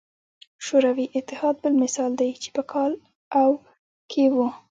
شوروي اتحاد بل مثال دی چې په کال او کې وو.